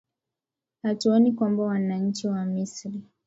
hatuoni kwamba wananchi wa misri